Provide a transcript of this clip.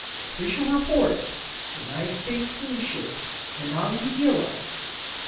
[OFFICIAL REPORT.] UNITED STATES STEAMSHIP "MONONGAHELA," ST.